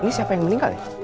ini siapa yang meninggal